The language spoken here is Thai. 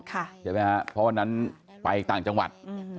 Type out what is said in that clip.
เพราะวันนั้นไปต่างจังหวัด